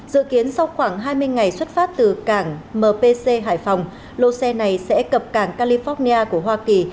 dự kiến sau khoảng hai mươi ngày xuất phát từ cảng mcc hải phòng lô xe này sẽ cập cảng california của hoa kỳ